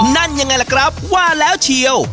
นั่นยังไงล่ะครับว่าแล้วเชียว